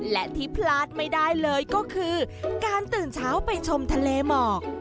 และที่พลาดไม่ได้เลยก็คือการตื่นเช้าไปชมทะเลหมอก